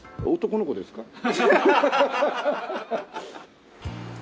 男の子ですか？